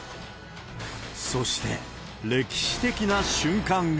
そして、歴史的な瞬間が。